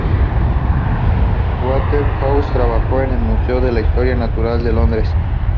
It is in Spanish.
Waterhouse trabajó en el Museo de Historia Natural de Londres.